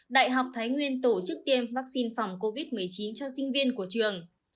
đại học thái nguyên tổ chức tiêm vaccine phòng covid một mươi chín cho sinh viên của trường